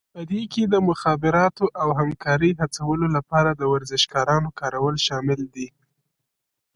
په دې کې د مخابراتو او همکارۍ هڅولو لپاره د ورزشکارانو کارول شامل دي